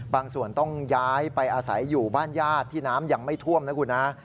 บางส่วนต้องย้ายไปอาศัยอยู่บ้านญาติที่น้ำยังไม่ท่วมนะคุณฮะ